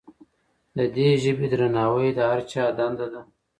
د دې ژبې درناوی د هر چا دنده ده.